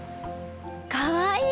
かわいい！